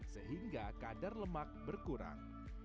sehingga kadar lemak berkurang